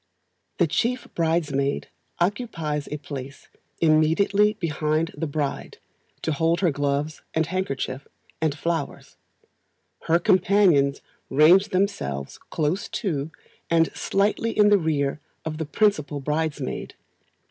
The Chief Bridesmaid occupies a place immediately behind the bride, to hold her gloves and handkerchief, and flowers; her companions range themselves close to, and slightly in the rear of the principal bridesmaid.